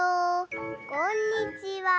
こんにちは